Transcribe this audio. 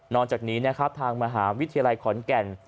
จากนี้นะครับทางมหาวิทยาลัยขอนแก่น